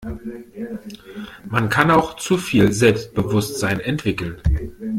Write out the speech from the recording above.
Man kann auch zu viel Selbstbewusstsein entwickeln.